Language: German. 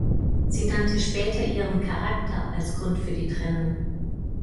Sie nannte später ihren Charakter als Grund für die Trennung.